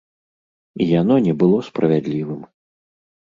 І яно не было справядлівым.